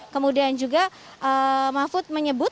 kemudian juga mahfud menyebut